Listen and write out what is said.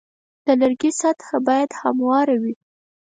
د لرګي سطحه باید همواره وي.